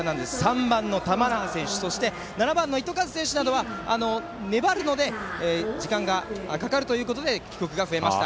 ３番の玉那覇選手そして７番の糸数選手などは粘るので時間がかかるということで曲が増えました。